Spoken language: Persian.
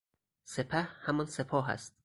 سپه، همان سپاه است